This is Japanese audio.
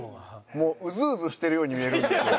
もううずうずしてるように見えるんですけど。